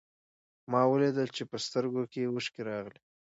ما وليده چې په سترګو کې يې اوښکې راغلې.